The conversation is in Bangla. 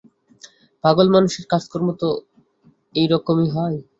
পাগলামানুষের কাজকর্ম তো এই রকমই হয়।